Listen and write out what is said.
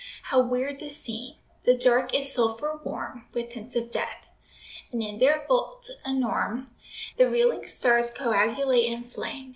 How weird the scene! The Dark is sulphur warm With hints of death; and in their vault enorme The reeling stars coagulate in flame.